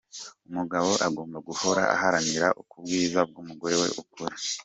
Umugabo agomba guhora aharanira kubwiza umugore we ukuri.